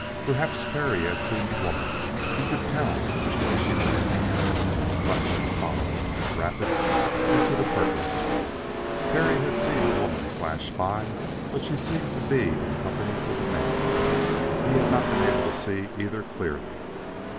Perhaps Perry had seen the woman and could tell which way she ran. Questions followed, rapid and to the purpose. Perry had seen a woman flash by. But she seemed to be in company with a man. He had not been able to see either clearly.